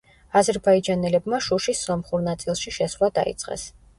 აზერბაიჯანელებმა შუშის სომხურ ნაწილში შესვლა დაიწყეს.